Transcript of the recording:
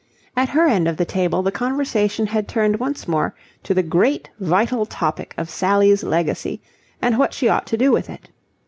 At her end of the table the conversation had turned once more to the great vital topic of Sally's legacy and what she ought to do with it.